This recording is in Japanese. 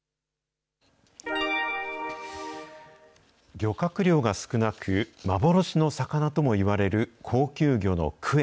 漁獲量が少なく、幻の魚ともいわれる高級魚のクエ。